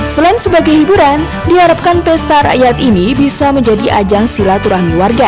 selain sebagai hiburan diharapkan pesta rakyat ini bisa menjadi ajang silaturahmi warga